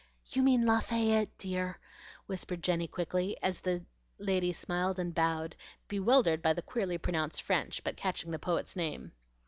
"You mean Lafayette, dear," whispered Jenny quickly, as the lady smiled and bowed bewildered by the queerly pronounced French, but catching the poet's name.